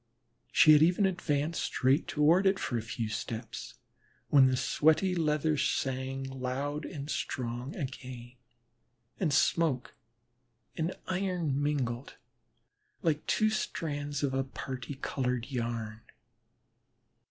She had even advanced straight toward it for a few steps when the sweaty leather sang loud and strong again, and smoke and iron mingled like two strands of a parti colored yarn.